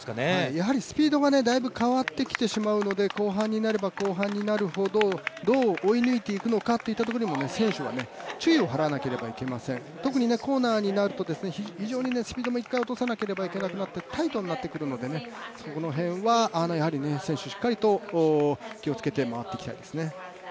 やはりスピードがだいぶ変わってきてしまうので、後半になればなるほど、どう追い抜いていくのかというところにも選手は注意をはらわなければいけません、特にコーナーになると非常にスピードも一回落とさなければならなくてタイトになってくるのでね、そこら辺はやはり選手しっかりと気をつけて回っていきたいですね。